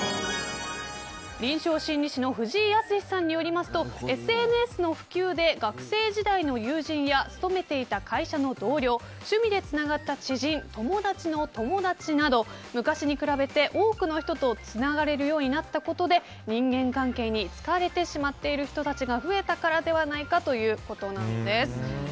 臨床心理士の藤井靖さんによりますとＳＮＳの普及で学生時代の友人や務めていた会社の同僚趣味でつながった知人友達の友達など、昔に比べて多くの人とつながれるようになったことで人間関係に疲れてしまっている人たちが増えたからではないかということなんです。